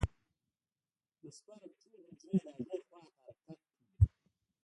د سپرم ټولې حجرې د هغې خوا ته حرکت کا.